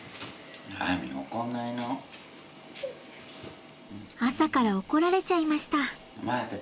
朝から怒られちゃいました。